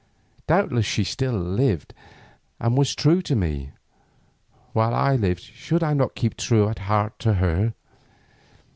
Doubtless she still lived and was true to me; while I lived should I not keep true at heart to her?